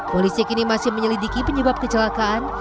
polisi kini masih menyelidiki penyebab kecelakaan